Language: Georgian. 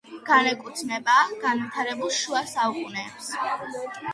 განეკუთვნება განვითარებულ შუა საუკუნეებს.